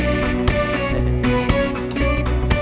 ada yang lupa dev